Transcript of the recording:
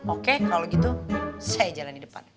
oke kalau gitu saya jalan di depan